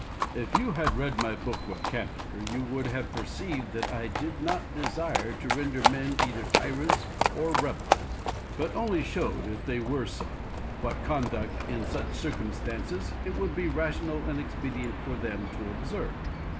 Machiavel. If you had read my book with candour you would have perceived that I did not desire to render men either tyrants or rebels, but only showed, if they were so, what conduct, in such circumstances, it would be rational and expedient for them to observe.